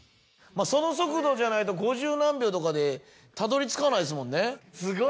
その速度じゃないと５０何秒とかでたどり着かないですもんね。